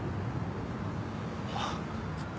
あっ。